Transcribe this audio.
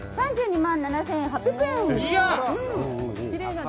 ３２万７８００円。